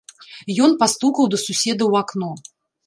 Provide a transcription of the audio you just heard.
Ён пастукаў да суседа ў акно.